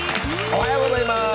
おはようございます。